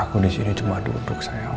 aku disini cuma duduk sayang